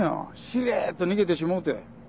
しれっと逃げてしもうて。